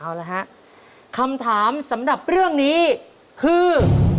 เอาละฮะคำถามสำหรับเรื่องนี้คือ